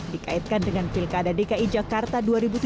dikaitkan dengan pilkada dki jakarta dua ribu tujuh belas